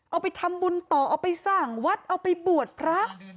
เอาไปทำบุญต่อเอาไปสร้างวัดเอาไปบวชพระ